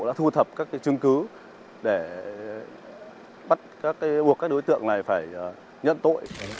đã thu thập các chương cứu để bắt các đối tượng này phải nhận tội